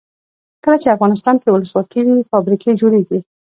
کله چې افغانستان کې ولسواکي وي فابریکې جوړیږي.